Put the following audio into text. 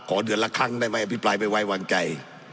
ขอเดือนละครั้งได้ไหมอภิปรายวัยว่างใจ